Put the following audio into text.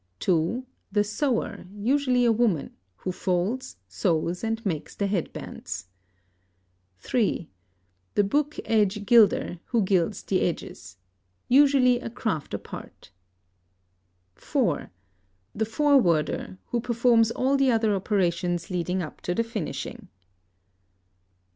(2) The sewer, usually a woman, who folds, sews, and makes the head bands. (3) The book edge gilder, who gilds the edges. Usually a craft apart. (4) The forwarder, who performs all the other operations leading up to the finishing.